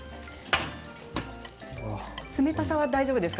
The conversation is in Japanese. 冷たさは大丈夫ですか？